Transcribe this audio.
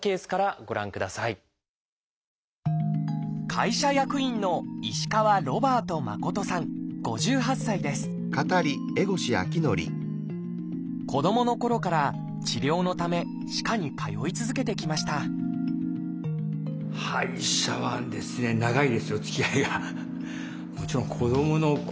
会社役員の子どものころから治療のため歯科に通い続けてきました恥ずかしい。